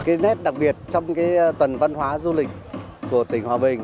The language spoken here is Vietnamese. cái nét đặc biệt trong cái tuần văn hóa du lịch của tỉnh hòa bình